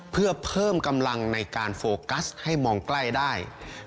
เพื่อเพิ่มกำลังในการโฟกัสให้มองใกล้ได้